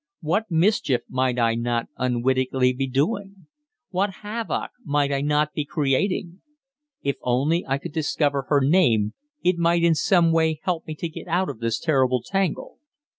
What mischief might I not unwittingly be doing? What havoc might I not be creating? If only I could discover her name it might in some way help me to get out of this terrible tangle.